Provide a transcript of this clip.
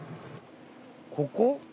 ここ？